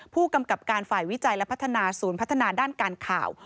ผู้กำกับการฝ่ายวิจัยและพัฒนาศูนย์พัฒนาด้านการข่าว